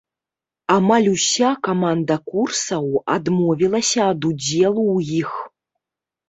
Амаль уся каманда курсаў адмовілася ад удзелу ў іх.